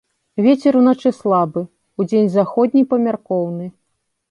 Вецер уначы слабы, удзень заходні памяркоўны.